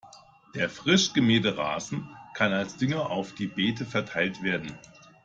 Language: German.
Der frisch gemähte Rasen kann als Dünger auf die Beete verteilt werden.